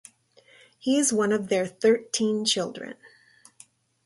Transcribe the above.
He is one of their thirteen children.